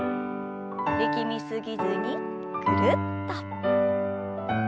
力み過ぎずにぐるっと。